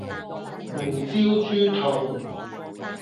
胡椒豬肚